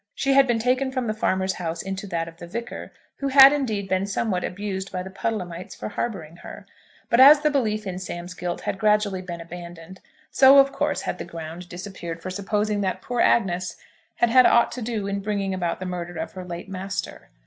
She had been taken from the farmer's house into that of the Vicar, who had, indeed, been somewhat abused by the Puddlehamites for harbouring her; but as the belief in Sam's guilt had gradually been abandoned, so, of course, had the ground disappeared for supposing that poor Agnes had had ought to do in bringing about the murder of her late master.